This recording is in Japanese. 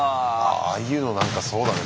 ああいうのなんかそうだね